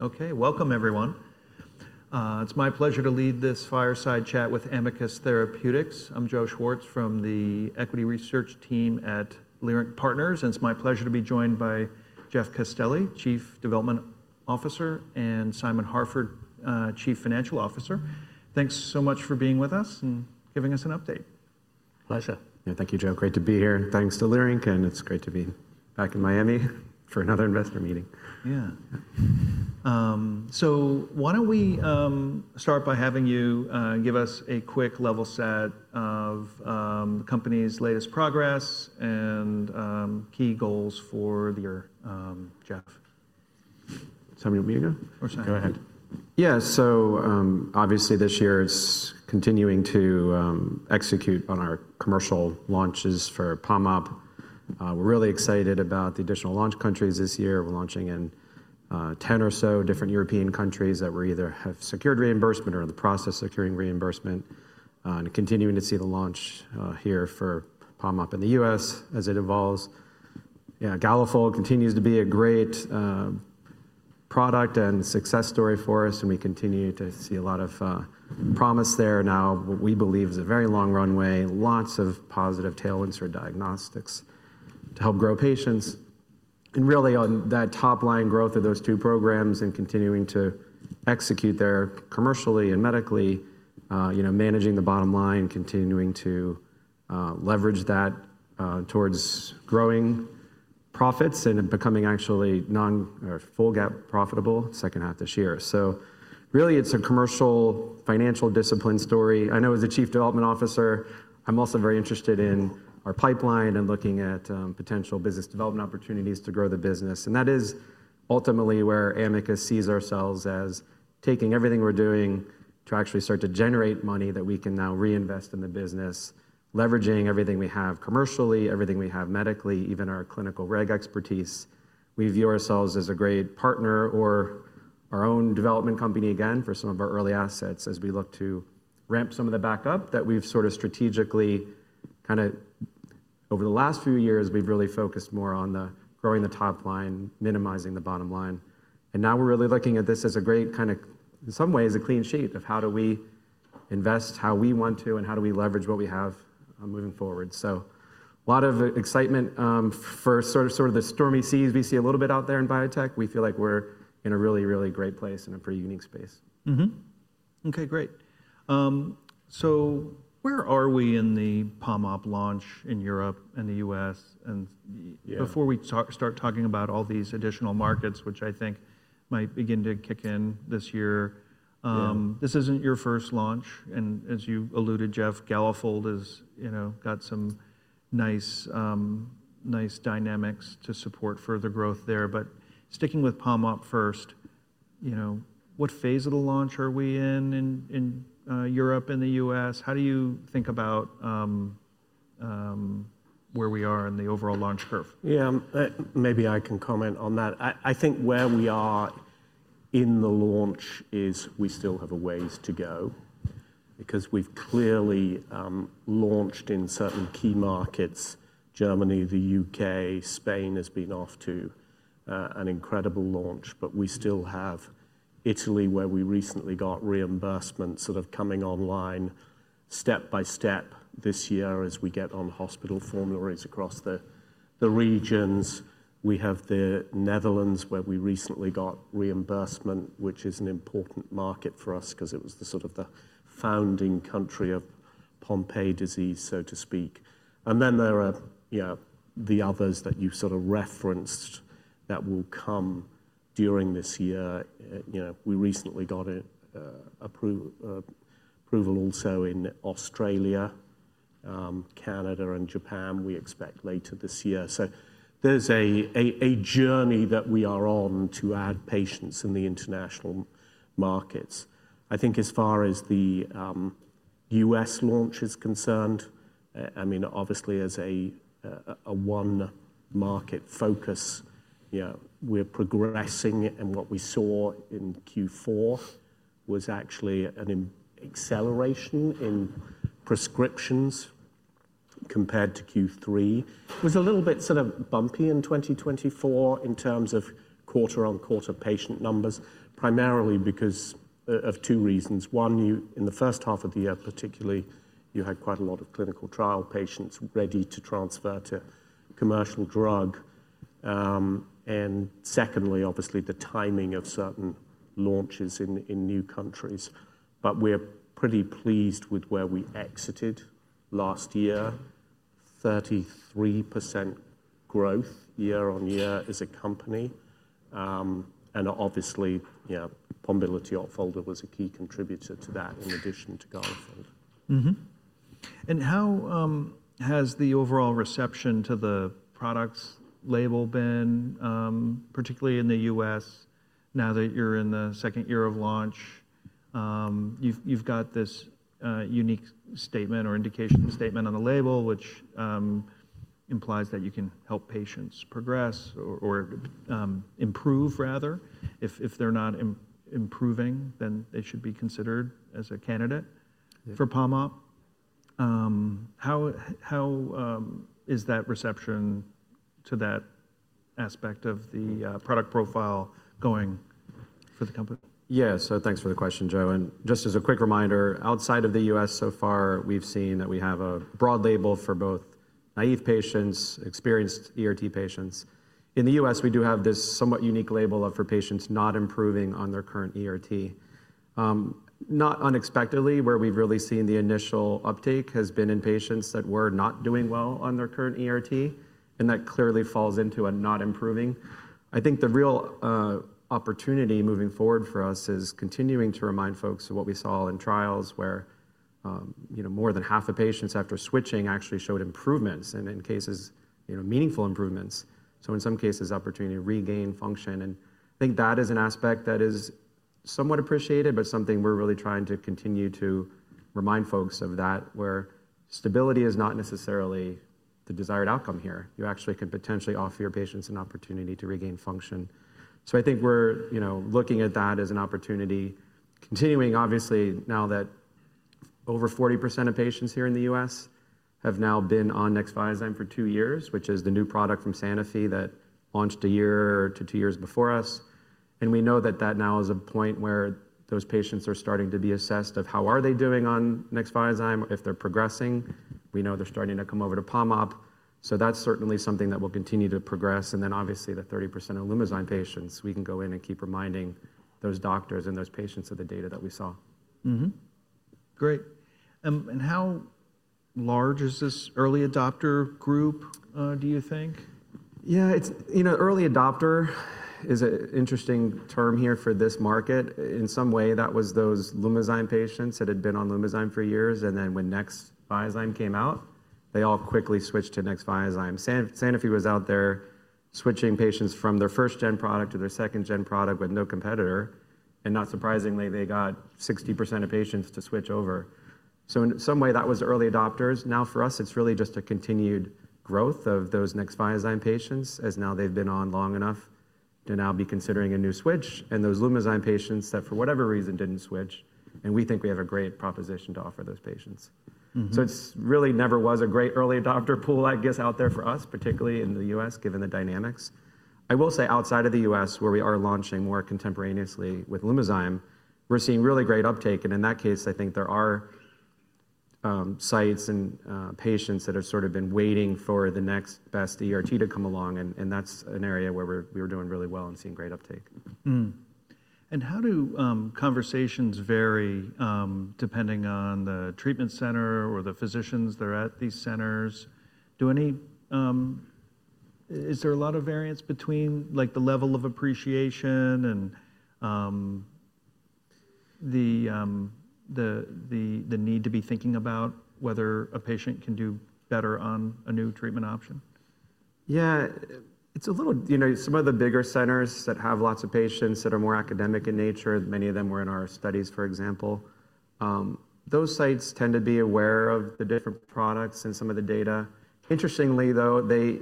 Okay, welcome everyone. It's my pleasure to lead this fireside chat with Amicus Therapeutics. I'm Joseph Schwartz from the equity research team at Leerink Partners, and it's my pleasure to be joined by Jeffrey Castelli, Chief Development Officer, and Simon Harford, Chief Financial Officer. Thanks so much for being with us and giving us an update. Pleasure. Thank you, Joe. Great to be here. Thanks to Leerink, and it's great to be back in Miami for another investor meeting. Yeah. Why don't we start by having you give us a quick level set of the company's latest progress and key goals for the year, Jeff? Simon or me again? Go ahead. Yeah, so obviously this year it's continuing to execute on our commercial launches for Pombiliti. We're really excited about the additional launch countries this year. We're launching in 10 or so different European countries that we either have secured reimbursement or are in the process of securing reimbursement, and continuing to see the launch here for Pombiliti in the U.S. as it evolves. Galafold continues to be a great product and success story for us, and we continue to see a lot of promise there. Now, what we believe is a very long runway, lots of positive tailwinds for diagnostics to help grow patients. And really on that top line growth of those two programs and continuing to execute there commercially and medically, managing the bottom line, continuing to leverage that towards growing profits and becoming actually non-full GAAP profitable second half this year. It is really a commercial financial discipline story. I know as the Chief Development Officer, I'm also very interested in our pipeline and looking at potential business development opportunities to grow the business. That is ultimately where Amicus sees ourselves as taking everything we're doing to actually start to generate money that we can now reinvest in the business, leveraging everything we have commercially, everything we have medically, even our clinical reg expertise. We view ourselves as a great partner or our own development company again for some of our early assets as we look to ramp some of that back up that we've sort of strategically kind of over the last few years, we've really focused more on growing the top line, minimizing the bottom line. Now we're really looking at this as a great kind of, in some ways, a clean sheet of how do we invest, how we want to, and how do we leverage what we have moving forward. A lot of excitement for sort of the stormy seas we see a little bit out there in biotech. We feel like we're in a really, really great place and a pretty unique space. Okay, great. Where are we in the Pombiliti launch in Europe and the U.S.? Before we start talking about all these additional markets, which I think might begin to kick in this year, this is not your first launch. As you alluded, Jeff, Galafold has got some nice dynamics to support further growth there. Sticking with Pombiliti first, what phase of the launch are we in in Europe and the U.S.? How do you think about where we are in the overall launch curve? Yeah, maybe I can comment on that. I think where we are in the launch is we still have a ways to go because we've clearly launched in certain key markets. Germany, the U.K., Spain has been off to an incredible launch, but we still have Italy where we recently got reimbursements that are coming online step by step this year as we get on hospital formularies across the regions. We have the Netherlands where we recently got reimbursement, which is an important market for us because it was the sort of founding country of Pompe disease, so to speak. There are the others that you've sort of referenced that will come during this year. We recently got approval also in Australia, Canada, and Japan. We expect later this year. There's a journey that we are on to add patients in the international markets. I think as far as the U.S. launch is concerned, I mean, obviously as a one market focus, we're progressing. What we saw in Q4 was actually an acceleration in prescriptions compared to Q3. It was a little bit sort of bumpy in 2024 in terms of quarter-on-quarter patient numbers, primarily because of two reasons. One, in the first half of the year, particularly, you had quite a lot of clinical trial patients ready to transfer to commercial drug. Secondly, obviously the timing of certain launches in new countries. We're pretty pleased with where we exited last year. 33% growth year on year as a company. Obviously, Pombiliti and Galafold were key contributors to that. How has the overall reception to the product's label been, particularly in the U.S., now that you're in the second year of launch? You've got this unique statement or indication statement on the label, which implies that you can help patients progress or improve, rather. If they're not improving, then they should be considered as a candidate for Pombiliti. How is that reception to that aspect of the product profile going for the company? Yeah, thanks for the question, Joe. Just as a quick reminder, outside of the U.S. so far, we've seen that we have a broad label for both naive patients and experienced ERT patients. In the U.S., we do have this somewhat unique label for patients not improving on their current ERT. Not unexpectedly, where we've really seen the initial uptake has been in patients that were not doing well on their current ERT, and that clearly falls into a not improving. I think the real opportunity moving forward for us is continuing to remind folks of what we saw in trials where more than half the patients after switching actually showed improvements and, in cases, meaningful improvements. In some cases, opportunity to regain function. I think that is an aspect that is somewhat appreciated, but something we're really trying to continue to remind folks of that where stability is not necessarily the desired outcome here. You actually can potentially offer your patients an opportunity to regain function. I think we're looking at that as an opportunity, continuing, obviously, now that over 40% of patients here in the U.S. have now been on Nexviazyme for two years, which is the new product from Sanofi that launched a year to two years before us. We know that that now is a point where those patients are starting to be assessed of how are they doing on Nexviazyme, if they're progressing. We know they're starting to come over to Pombiliti. That is certainly something that will continue to progress. Obviously the 30% of Lumizyme patients, we can go in and keep reminding those doctors and those patients of the data that we saw. Great. How large is this early adopter group, do you think? Yeah, early adopter is an interesting term here for this market. In some way, that was those Lumizyme patients that had been on Lumizyme for years. Then when Nexviazyme came out, they all quickly switched to Nexviazyme. Sanofi was out there switching patients from their first-gen product to their second-gen product with no competitor. Not surprisingly, they got 60% of patients to switch over. In some way, that was early adopters. Now for us, it's really just a continued growth of those Nexviazyme patients as now they've been on long enough to now be considering a new switch. Those Lumizyme patients that for whatever reason didn't switch, and we think we have a great proposition to offer those patients. It really never was a great early adopter pool, I guess, out there for us, particularly in the U.S., given the dynamics. I will say outside of the U.S., where we are launching more contemporaneously with Lumizyme, we're seeing really great uptake. In that case, I think there are sites and patients that have sort of been waiting for the next best ERT to come along. That's an area where we are doing really well and seeing great uptake. How do conversations vary depending on the treatment center or the physicians that are at these centers? Is there a lot of variance between the level of appreciation and the need to be thinking about whether a patient can do better on a new treatment option? Yeah, it's a little, you know, some of the bigger centers that have lots of patients that are more academic in nature, many of them were in our studies, for example, those sites tend to be aware of the different products and some of the data. Interestingly, though, they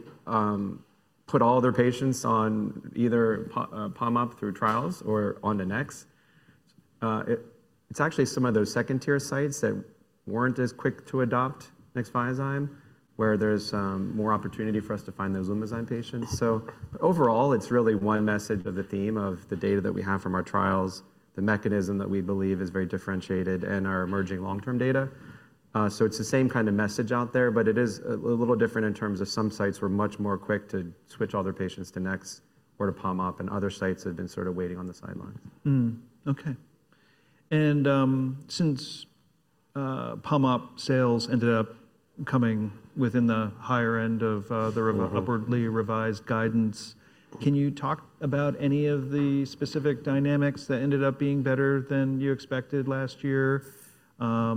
put all their patients on either Pombiliti through trials or onto Nexviazyme. It's actually some of those second-tier sites that weren't as quick to adopt Nexviazyme where there's more opportunity for us to find those Lumizyme patients. Overall, it's really one message of the theme of the data that we have from our trials, the mechanism that we believe is very differentiated in our emerging long-term data. It is the same kind of message out there, but it is a little different in terms of some sites were much more quick to switch all their patients to Nexviazyme or to Pombiliti, and other sites have been sort of waiting on the sidelines. Okay. Since Pombiliti sales ended up coming within the higher end of the upwardly revised guidance, can you talk about any of the specific dynamics that ended up being better than you expected last year? How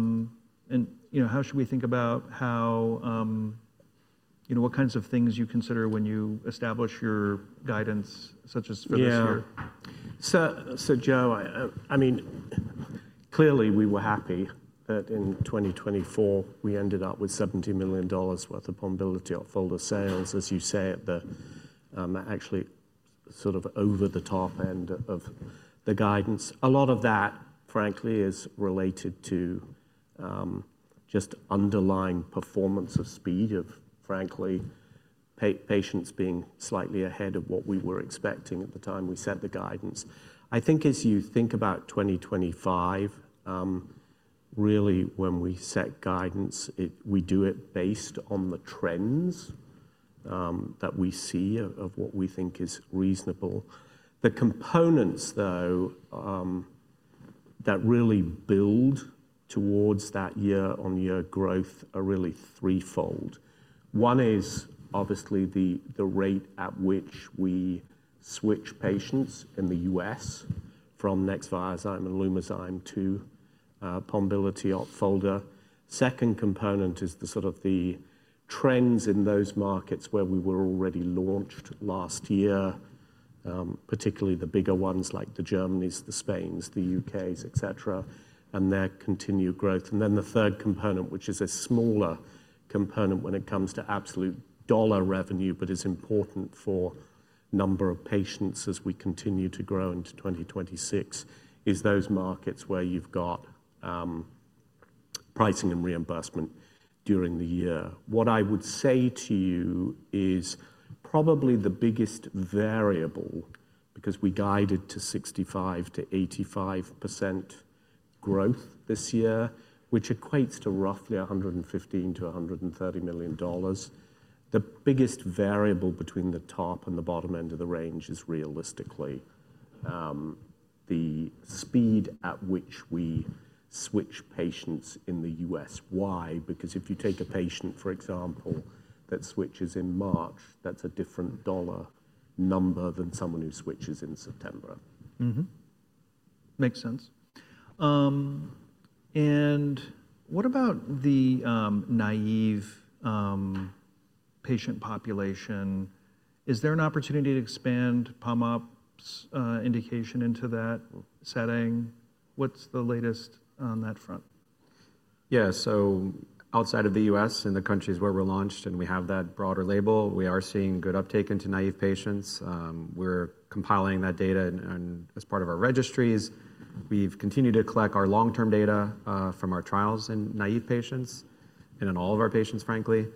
should we think about what kinds of things you consider when you establish your guidance, such as for this year? Yeah. So Joe, I mean, clearly we were happy that in 2024 we ended up with $70 million worth of Pombiliti Opfolda sales, as you say, at the actually sort of over the top end of the guidance. A lot of that, frankly, is related to just underlying performance of speed of frankly patients being slightly ahead of what we were expecting at the time we set the guidance. I think as you think about 2025, really when we set guidance, we do it based on the trends that we see of what we think is reasonable. The components, though, that really build towards that year-on-year growth are really threefold. One is obviously the rate at which we switch patients in the U.S. from Nexviazyme and Lumizyme to Pombiliti Opfolda. Second component is the sort of the trends in those markets where we were already launched last year, particularly the bigger ones like the Germanys, the Spains, the U.K.s, et cetera, and their continued growth. The third component, which is a smaller component when it comes to absolute dollar revenue, but is important for number of patients as we continue to grow into 2026, is those markets where you've got pricing and reimbursement during the year. What I would say to you is probably the biggest variable, because we guided to 65%-85% growth this year, which equates to roughly $115-$130 million. The biggest variable between the top and the bottom end of the range is realistically the speed at which we switch patients in the U.S. Why? Because if you take a patient, for example, that switches in March, that's a different dollar number than someone who switches in September. Makes sense. What about the naive patient population? Is there an opportunity to expand Pombiliti's indication into that setting? What's the latest on that front? Yeah, outside of the U.S. and the countries where we're launched and we have that broader label, we are seeing good uptake into naive patients. We're compiling that data as part of our registries. We've continued to collect our long-term data from our trials in naive patients and in all of our patients, frankly.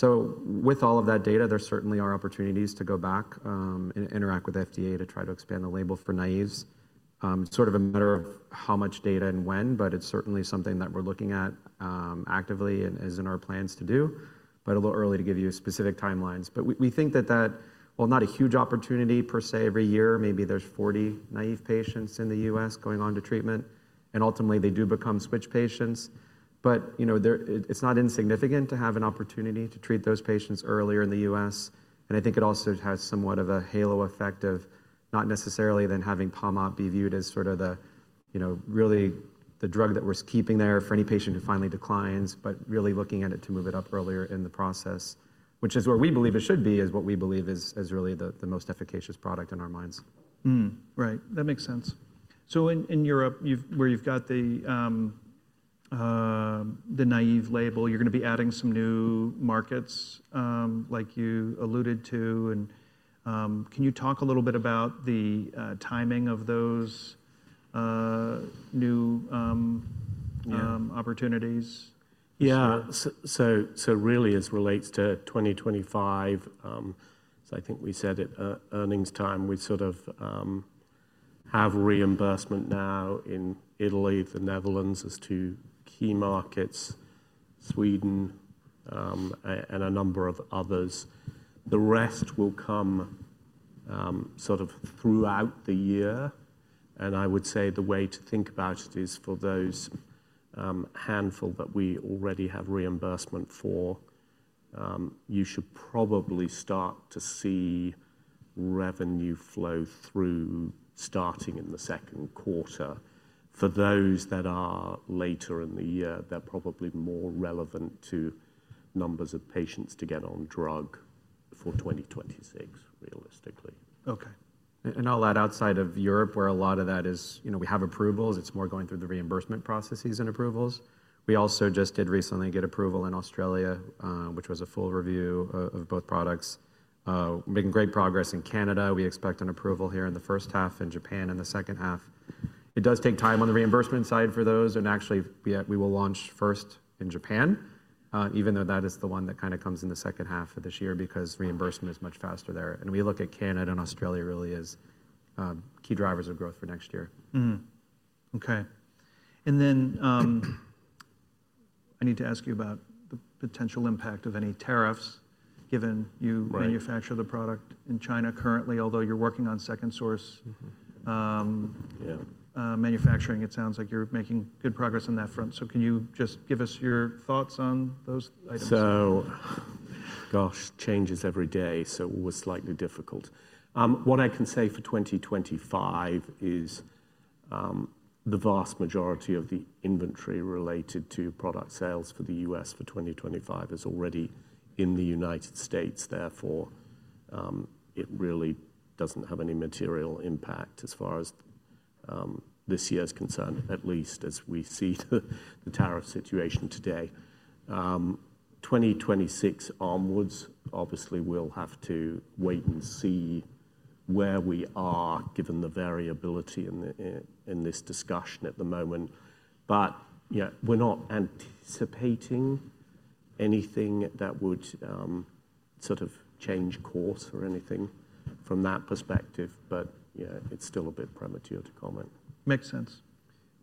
With all of that data, there certainly are opportunities to go back and interact with FDA to try to expand the label for naives. It's sort of a matter of how much data and when, but it's certainly something that we're looking at actively and is in our plans to do, but a little early to give you specific timelines. We think that that, not a huge opportunity per se every year. Maybe there's 40 naive patients in the U.S. going on to treatment, and ultimately they do become switch patients. It is not insignificant to have an opportunity to treat those patients earlier in the U.S. I think it also has somewhat of a halo effect of not necessarily then having Pombiliti be viewed as sort of really the drug that we are keeping there for any patient who finally declines, but really looking at it to move it up earlier in the process, which is where we believe it should be, is what we believe is really the most efficacious product in our minds. Right. That makes sense. In Europe, where you've got the naive label, you're going to be adding some new markets like you alluded to. Can you talk a little bit about the timing of those new opportunities? Yeah. Really as relates to 2025, I think we said at earnings time, we sort of have reimbursement now in Italy, the Netherlands as two key markets, Sweden, and a number of others. The rest will come sort of throughout the year. I would say the way to think about it is for those handful that we already have reimbursement for, you should probably start to see revenue flow through starting in the Q2. For those that are later in the year, they are probably more relevant to numbers of patients to get on drug for 2026, realistically. Okay. All that outside of Europe where a lot of that is, we have approvals, it's more going through the reimbursement processes and approvals. We also just did recently get approval in Australia, which was a full review of both products. Making great progress in Canada. We expect an approval here in the first half, in Japan in the second half. It does take time on the reimbursement side for those. Actually, we will launch first in Japan, even though that is the one that kind of comes in the second half of this year because reimbursement is much faster there. We look at Canada and Australia really as key drivers of growth for next year. Okay. I need to ask you about the potential impact of any tariffs given you manufacture the product in China currently, although you're working on second source manufacturing, it sounds like you're making good progress on that front. Can you just give us your thoughts on those items? Gosh, changes every day, so it was slightly difficult. What I can say for 2025 is the vast majority of the inventory related to product sales for the U.S. for 2025 is already in the United States. Therefore, it really doesn't have any material impact as far as this year is concerned, at least as we see the tariff situation today. 2026 onwards, obviously we'll have to wait and see where we are given the variability in this discussion at the moment. We're not anticipating anything that would sort of change course or anything from that perspective, but it's still a bit premature to comment. Makes sense.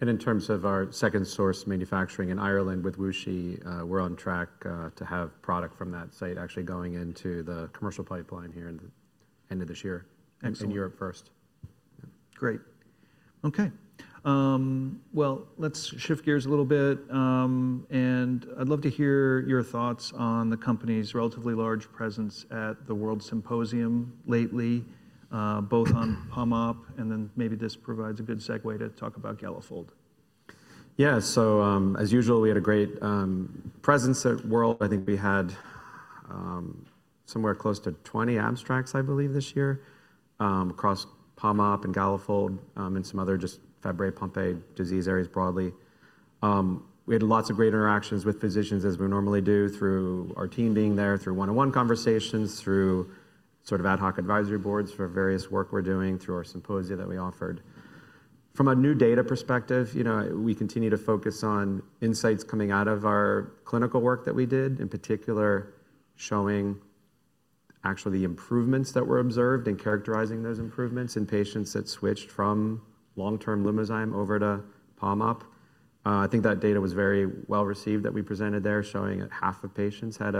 In terms of our second source manufacturing in Ireland with WuXi, we're on track to have product from that site actually going into the commercial pipeline here at the end of this year in Europe first. Great. Okay. Let's shift gears a little bit. I'd love to hear your thoughts on the company's relatively large presence at the World Symposium lately, both on Pombiliti, and then maybe this provides a good segue to talk about Galafold. Yeah. As usual, we had a great presence at World. I think we had somewhere close to 20 abstracts, I believe this year, across Pombiliti and Galafold and some other just Fabry, Pompe disease areas broadly. We had lots of great interactions with physicians as we normally do through our team being there, through one-on-one conversations, through sort of ad hoc advisory boards for various work we are doing, through our symposia that we offered. From a new data perspective, we continue to focus on insights coming out of our clinical work that we did, in particular showing actually the improvements that were observed and characterizing those improvements in patients that switched from long-term Lumizyme over to Pombiliti. I think that data was very well received that we presented there, showing that half of patients had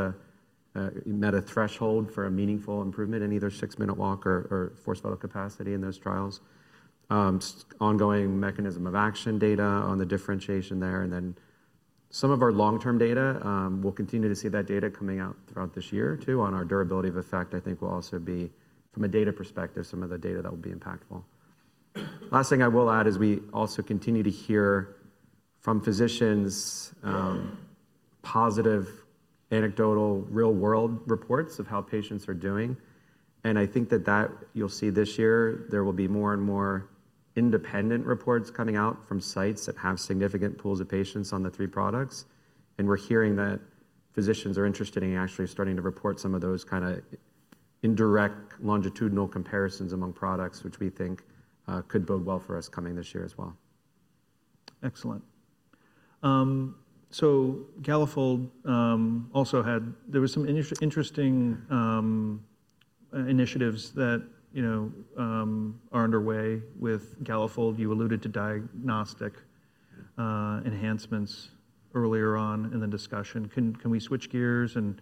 met a threshold for a meaningful improvement in either six-minute walk or forced vital capacity in those trials. Ongoing mechanism of action data on the differentiation there. Some of our long-term data, we'll continue to see that data coming out throughout this year too on our durability of effect. I think we'll also be, from a data perspective, some of the data that will be impactful. Last thing I will add is we also continue to hear from physicians positive anecdotal real-world reports of how patients are doing. I think that you'll see this year, there will be more and more independent reports coming out from sites that have significant pools of patients on the three products. We're hearing that physicians are interested in actually starting to report some of those kind of indirect longitudinal comparisons among products, which we think could bode well for us coming this year as well. Excellent. Galafold also had, there were some interesting initiatives that are underway with Galafold. You alluded to diagnostic enhancements earlier on in the discussion. Can we switch gears and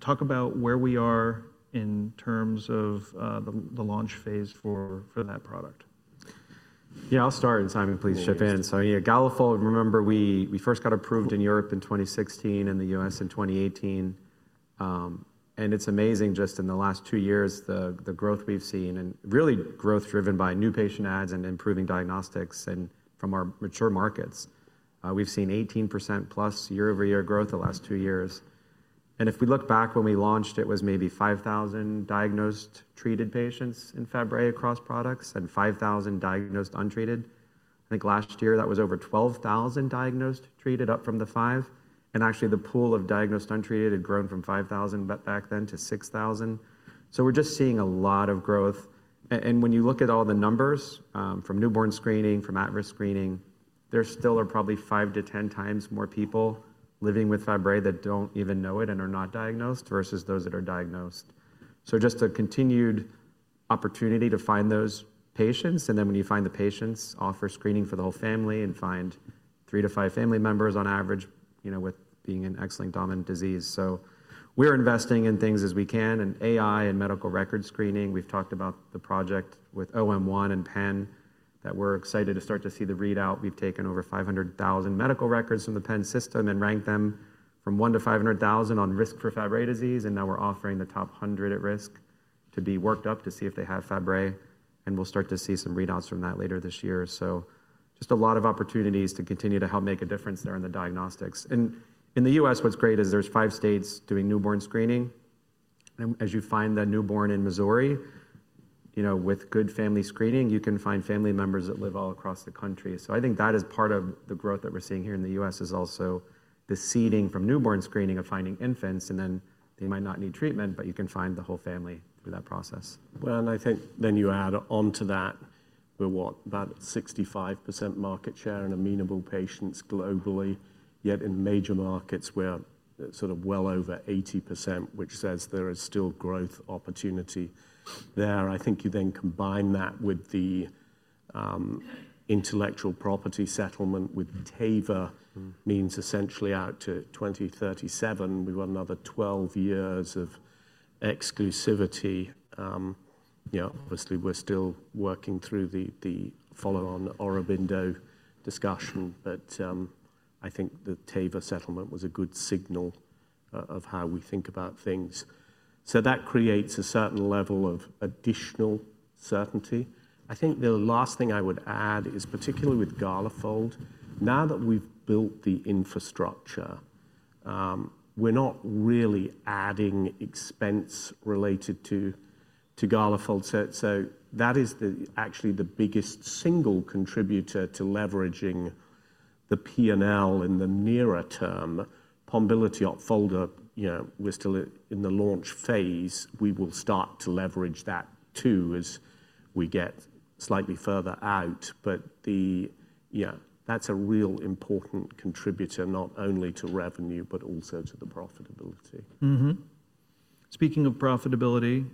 talk about where we are in terms of the launch phase for that product? Yeah, I'll start and Simon, please chip in. Galafold, remember we first got approved in Europe in 2016 and the U.S. in 2018. It's amazing just in the last two years, the growth we've seen and really growth driven by new patient ads and improving diagnostics and from our mature markets. We've seen 18% plus year-over-year growth the last two years. If we look back when we launched, it was maybe 5,000 diagnosed treated patients in Fabry across products and 5,000 diagnosed untreated. I think last year that was over 12,000 diagnosed treated up from the five. Actually the pool of diagnosed untreated had grown from 5,000 back then to 6,000. We're just seeing a lot of growth. When you look at all the numbers from newborn screening, from at-risk screening, there still are probably five to ten times more people living with Fabry that do not even know it and are not diagnosed versus those that are diagnosed. There is just a continued opportunity to find those patients. When you find the patients, offer screening for the whole family and find three to five family members on average with being an X-linked dominant disease. We are investing in things as we can and AI and medical record screening. We have talked about the project with OM1 and Penn that we are excited to start to see the readout. We have taken over 500,000 medical records from the Penn system and ranked them from one to 500,000 on risk for Fabry disease. We are offering the top 100 at risk to be worked up to see if they have Fabry. We will start to see some readouts from that later this year. There are a lot of opportunities to continue to help make a difference there in the diagnostics. In the U.S., what's great is there are five states doing newborn screening. As you find that newborn in Missouri, with good family screening, you can find family members that live all across the country. I think that is part of the growth that we are seeing here in the U.S. It is also the seeding from newborn screening of finding infants, and then they might not need treatment, but you can find the whole family through that process. I think then you add onto that with what, about 65% market share in amenable patients globally, yet in major markets we're sort of well over 80%, which says there is still growth opportunity there. I think you then combine that with the intellectual property settlement with Teva means essentially out to 2037, we've got another 12 years of exclusivity. Obviously, we're still working through the follow-on Aurobindo discussion, but I think the Teva settlement was a good signal of how we think about things. That creates a certain level of additional certainty. I think the last thing I would add is particularly with Galafold, now that we've built the infrastructure, we're not really adding expense related to Galafold. That is actually the biggest single contributor to leveraging the P&L in the nearer term. Pombiliti, Opfolda, we're still in the launch phase. We will start to leverage that too as we get slightly further out. That is a real important contributor not only to revenue, but also to the profitability. Speaking of profitability,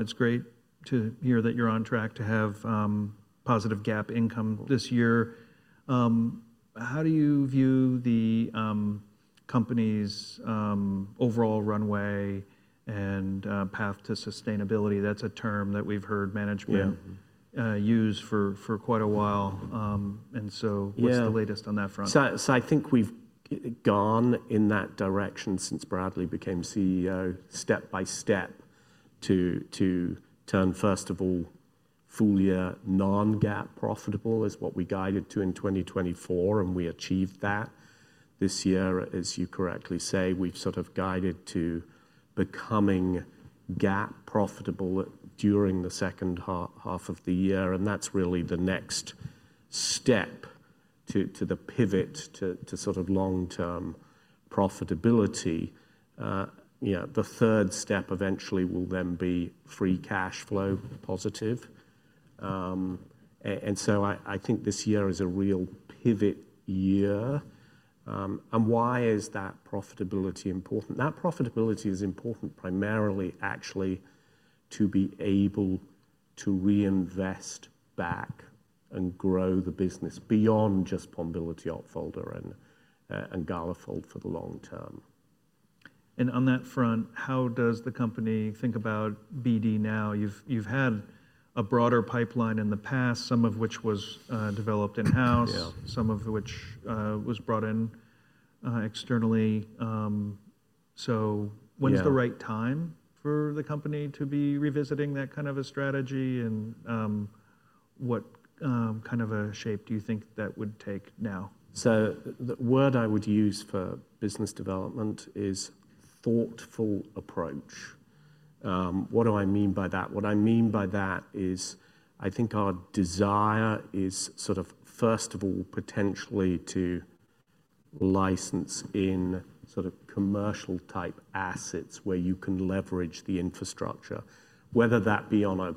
it's great to hear that you're on track to have positive GAAP income this year. How do you view the company's overall runway and path to sustainability? That's a term that we've heard management use for quite a while. What's the latest on that front? I think we've gone in that direction since Bradley became CEO step by step to turn, first of all, fully non-GAAP profitable is what we guided to in 2024, and we achieved that this year. As you correctly say, we've sort of guided to becoming GAAP profitable during the second half of the year. That's really the next step to the pivot to sort of long-term profitability. The third step eventually will then be free cash flow positive. I think this year is a real pivot year. Why is that profitability important? That profitability is important primarily actually to be able to reinvest back and grow the business beyond just Pombiliti, Opfolda, and Galafold for the long term. On that front, how does the company think about BD now? You've had a broader pipeline in the past, some of which was developed in-house, some of which was brought in externally. When's the right time for the company to be revisiting that kind of a strategy? What kind of a shape do you think that would take now? The word I would use for business development is thoughtful approach. What do I mean by that? What I mean by that is I think our desire is sort of, first of all, potentially to license in sort of commercial type assets where you can leverage the infrastructure, whether that be on a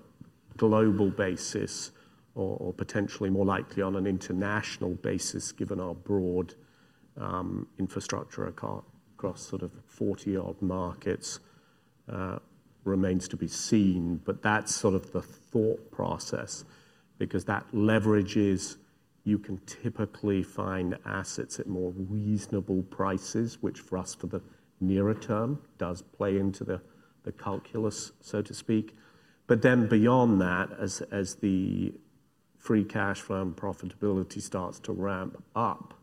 global basis or potentially more likely on an international basis, given our broad infrastructure across sort of 40-odd markets remains to be seen. That is sort of the thought process because that leverages, you can typically find assets at more reasonable prices, which for us for the nearer term does play into the calculus, so to speak. Then beyond that, as the free cash flow and profitability starts to ramp up,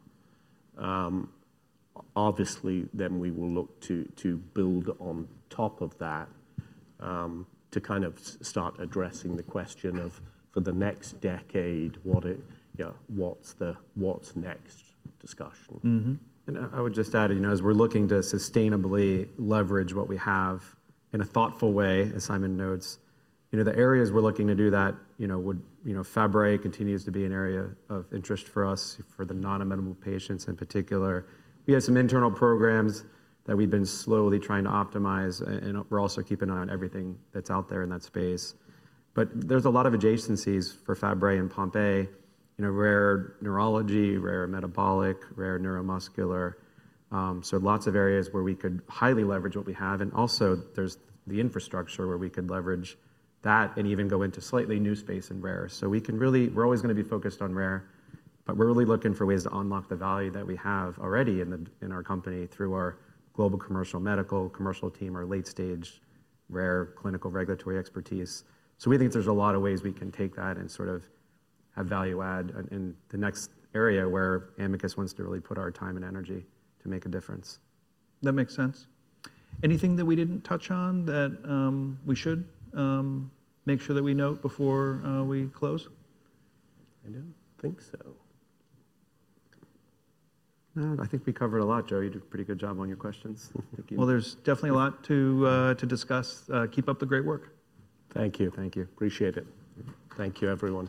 obviously then we will look to build on top of that to kind of start addressing the question of for the next decade, what's the next discussion? I would just add, as we're looking to sustainably leverage what we have in a thoughtful way, as Simon notes, the areas we're looking to do that would, Fabry continues to be an area of interest for us for the non-amenable patients in particular. We have some internal programs that we've been slowly trying to optimize, and we're also keeping an eye on everything that's out there in that space. There are a lot of adjacencies for Fabry and Pompe, rare neurology, rare metabolic, rare neuromuscular. Lots of areas where we could highly leverage what we have. There is also the infrastructure where we could leverage that and even go into slightly new space in rare. We can really, we're always going to be focused on rare, but we're really looking for ways to unlock the value that we have already in our company through our global commercial medical, commercial team, our late-stage rare clinical regulatory expertise. We think there's a lot of ways we can take that and sort of have value add in the next area where Amicus wants to really put our time and energy to make a difference. That makes sense. Anything that we did not touch on that we should make sure that we note before we close? I don't think so. No, I think we covered a lot, Joe. You did a pretty good job on your questions. Thank you. There is definitely a lot to discuss. Keep up the great work. Thank you. Thank you. Appreciate it. Thank you, everyone.